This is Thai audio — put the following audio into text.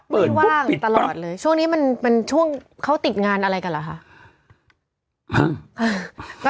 ไม่ว่างตลอดเลยช่วงนี้มันมันช่วงเขาติดงานอะไรกันเหรอค่ะ